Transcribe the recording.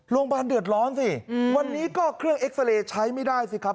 โรงพยาบาลเดือดร้อนสิวันนี้ก็เครื่องเอ็กซาเรย์ใช้ไม่ได้สิครับ